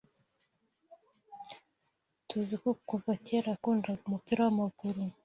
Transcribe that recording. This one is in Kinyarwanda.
TUZI ko kuva kera yakundaga umupira wamaguru.